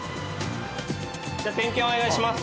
では点検お願いします。